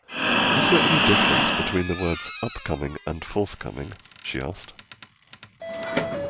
Is there any difference between the words Upcoming and forthcoming? she asked